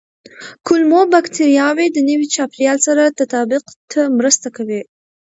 کولمو بکتریاوې د نوي چاپېریال سره تطابق ته مرسته کوي.